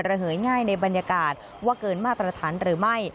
เหยง่ายในบรรยากาศว่าเกินมาตรฐานหรือไม่